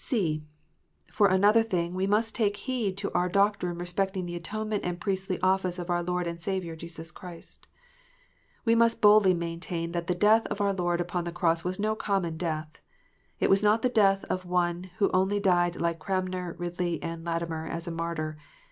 (c) For another thing, we must take heed to our doctrine respecting the atonement and priestly office of our Lord and Saviour Jesus Christ. We must boldly maintain that the death of our Lord upon the cross was no common death. It was not the death of one who only died like Cranmer, Ridley, and Latimer, as a martyr.